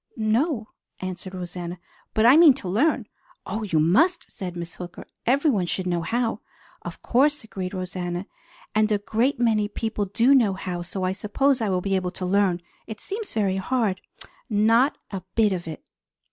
"No," answered Rosanna, "but I mean to learn." "Oh, you must!" said Miss Hooker. "Everyone should know how." "Of course," agreed Rosanna. "And a great many people do know how, so I suppose I will be able to learn. It seems very hard." "Not a bit of it!"